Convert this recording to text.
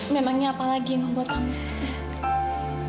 memangnya apalagi yang membuat kamu sering